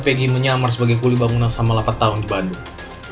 peggy menyamar sebagai kulibangunan sama delapan tahun di bandung